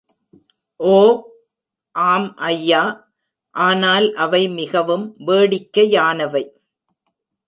ஓ, ஆம், ஐயா; ஆனால் அவை மிகவும் வேடிக்கையானவை!